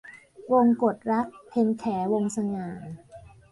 วงกตรัก - เพ็ญแข วงศ์สง่า